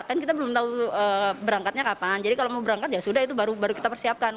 kan kita belum tahu berangkatnya kapan jadi kalau mau berangkat ya sudah itu baru kita persiapkan